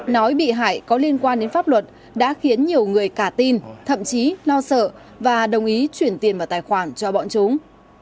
nói bị hại có liên quan đến pháp luật đã khiến nhiều người cả tin thậm chí lo sợ và đồng ý chuyển tiền vào tài khoản cho bọn chúng